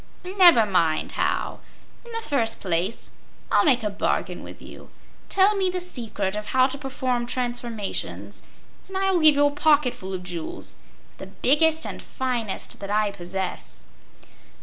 "Never mind how. In the first place, I'll make a bargain with you. Tell me the secret of how to perform transformations and I will give you a pocketful of jewels, the biggest and finest that I possess."